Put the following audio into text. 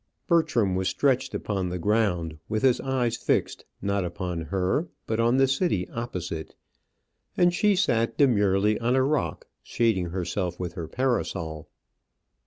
Bertram was stretched upon the ground, with his eyes fixed, not upon her, but on the city opposite; and she sat demurely on a rock, shading herself with her parasol.